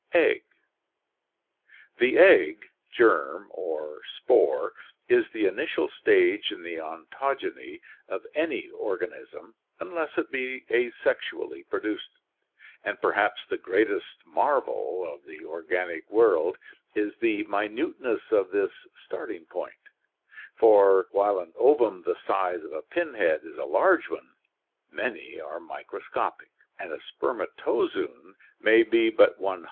Egg. — The egg, germ, or spore, is the initial stage in the ontogeny of any organism unless it be asexually produced, and perhaps the greatest marvel of the organic world is the minuteness of this starting point, for while an ovum the size of a pin head is a large one, many are microscopic, and a spermatozoon maybe but t W.